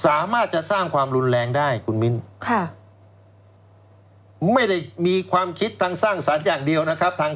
สามารถจะสร้างความรุนแรงได้คุณมิ้นไม่ได้มีความคิดทางสร้างสรรค์อย่างเดียวนะครับทาง